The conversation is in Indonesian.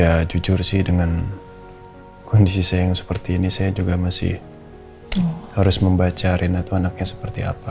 ya jujur sih dengan kondisi saya yang seperti ini saya juga masih harus membaca rina itu anaknya seperti apa